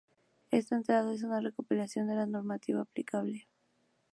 Esta entrada es una recopilación de la normativa aplicable.